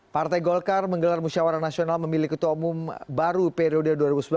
partai golkar menggelar musyawara nasional memilih ketua umum baru periode dua ribu sembilan belas dua ribu dua